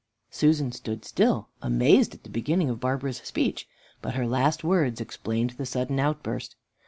Susan stood still, amazed at the beginning of Barbara's speech, but her last words explained the sudden outburst.